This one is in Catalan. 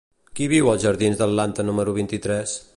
Qui viu als jardins d'Atlanta número vint-i-tres?